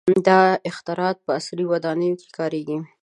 • دا اختراعات په عصري ودانیو کې کارېږي.